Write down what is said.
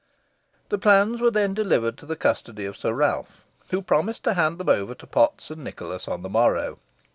The plans were then delivered to the custody of Sir Ralph, who promised to hand them over to Potts and Nicholas on the morrow.